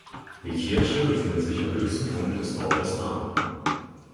Die Kirche befindet sich am höchsten Punkt des Dorfes Lahm.